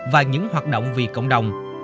và những hoạt động vì cộng đồng